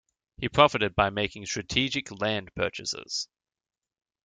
He profited by making strategic land purchases.